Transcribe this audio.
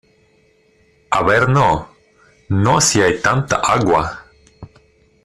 a ver no, no si hay tanta agua ;